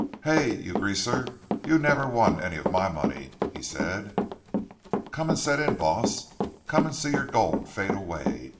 "Hey, you greaser, you never won any of my money," he said. "Come an' set in, boss. Come an' see your gold fade away.